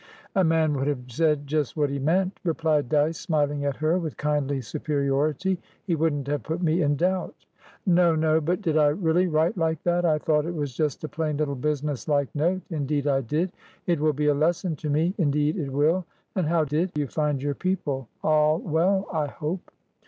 "A man would have said just what he meant," replied Dyce, smiling at her with kindly superiority. "He wouldn't have put me in doubt." "No, no! But did I really write like that? I thought it was just a plain little business like noteindeed I did! It will be a lesson to meindeed it will! And how did you find your people? All well, I hope?"